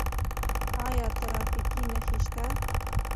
آیا ټرافیکي نښې شته؟